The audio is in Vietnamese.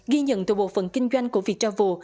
ghi nhận từ bộ phần kinh doanh của việt tra vù